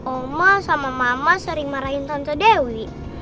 omah sama mama sering marahin tante dewi